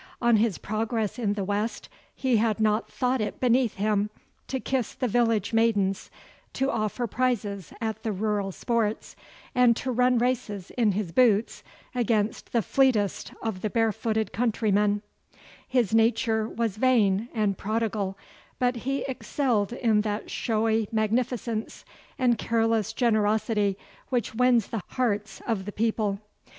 On his progress in the West he had not thought it beneath him to kiss the village maidens, to offer prizes at the rural sports, and to run races in his boots against the fleetest of the barefooted countrymen. (Note G., Appendix) His nature was vain and prodigal, but he excelled in that showy magnificence and careless generosity which wins the hearts of the people.